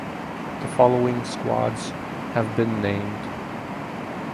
The following squads have been named.